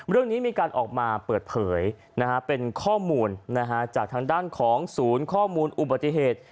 เรื่องนี้มีการออกมาเปิดเผยเป็นข้อมูลจากทางด้านของศูนย์ข้อมูลอุบัติเหตุ